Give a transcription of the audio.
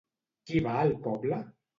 Qui va al poble?